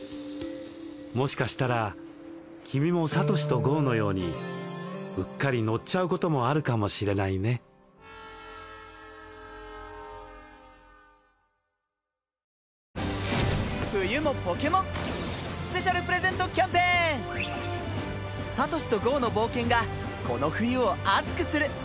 もしかしたら君もサトシとゴウのようにうっかり乗っちゃうこともあるかもしれないねサトシとゴウの冒険がこの冬を熱くする。